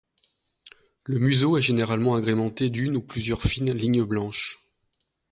Le museau est généralement agrémenté d'une ou plusieurs fines lignes blanches.